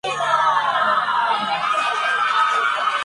Joey corta con ella y se queda solo de nuevo en su piso.